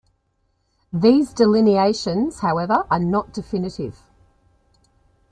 These delineations, however, are not definitive.